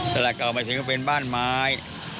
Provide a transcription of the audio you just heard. ตลาดเก่าหมายถึงเป็นบ้านไม้